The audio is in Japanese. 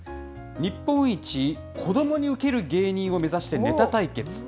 日本一子どもにウケる芸人を目指してネタ対決。